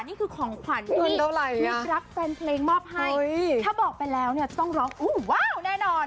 นี่คือของขวัญที่กรับแฟนเพลงมอบให้ถ้าบอกไปแล้วจะต้องร้องอุ้ววววแน่นอน